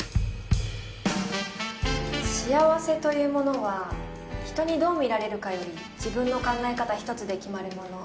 幸せというものは人にどう見られるかより自分の考え方ひとつで決まるもの。